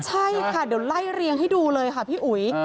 ใช่ค่ะเดี๋ยวไล่เรียงให้ดูเลยค่ะพี่อุ๋ย